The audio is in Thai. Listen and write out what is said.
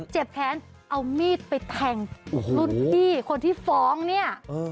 แค้นเอามีดไปแทงรุ่นพี่คนที่ฟ้องเนี่ย